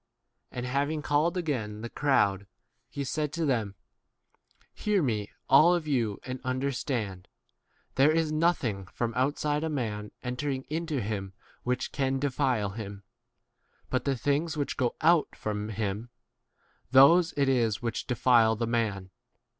And having called again h the crowd, he said to them, Hear me, all [of you], 15 and understand : There is nothing from outside a man entering into him which can defile him; but the things which go out from him, those it is which defile the 16 man.